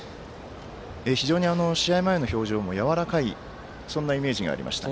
非常に試合前の表情もやわらかいそんなイメージがありますが。